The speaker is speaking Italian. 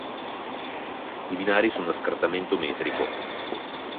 I binari sono a scartamento metrico